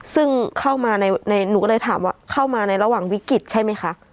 ซึ่งเข้ามาหนูก็เลยถามว่าเข้ามาในระหว่างวิกฤตใช่ไหมคะ